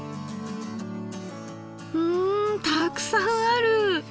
んたくさんある！